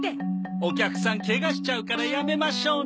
お客さんケガしちゃうからやめましょうね。